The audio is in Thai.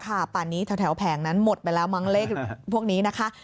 ป่านนี้แถวแผงนั้นหมดไปแล้วมั้งเลขพวกนี้นะคะ